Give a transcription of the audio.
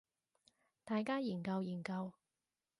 大家研究研究